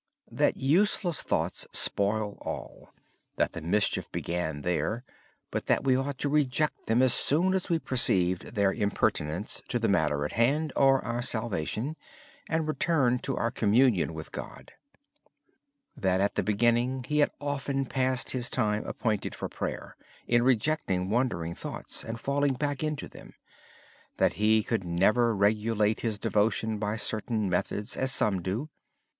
He said that useless thoughts spoil all that the mischief began there. We ought to reject them as soon as we perceived their impertinence and return to our communion with God. In the beginning he had often passed his time appointed for prayer in rejecting wandering thoughts and falling right back into them. He could never regulate his devotion by certain methods as some do.